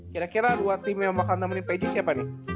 kira kira dua tim yang bakal nemenin peju siapa nih